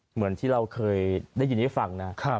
เหมือนที่เราเคยได้ยินให้ฟังนะ